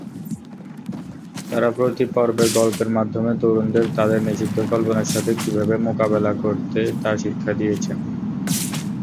তারা প্রতি পর্বে গল্পের মাধ্যমে তরুণদের তাদের নিষিদ্ধ কল্পনার সাথে কিভাবে মোকাবেলা করতে তা শিক্ষা দিয়েছেন।